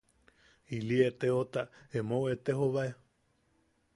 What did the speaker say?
Ili eteota emou etejobae.